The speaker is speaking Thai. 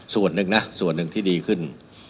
ส่วนหนึ่งนะส่วนหนึ่งที่ดีขึ้น